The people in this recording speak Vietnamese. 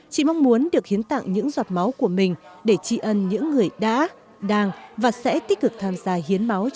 chị mong muốn được hiến tặng những giọt máu của mình để tri ân những người đã đang và sẽ tích cực tham gia hiến máu